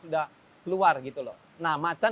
sudah keluar gitu loh nah macan